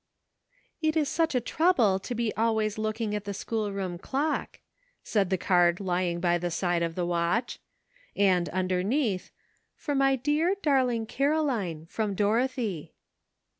"It is such a trouble to be always looking at the schoolroom clock," said the card lying by the side of the watch; and underneath: "For my dear, darling Caroline, from Dorothy."